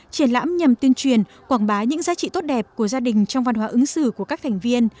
triển lãm nhằm tuyên truyền quảng bá những giá trị tốt đẹp của gia đình trong văn hóa ứng xử của các thành viên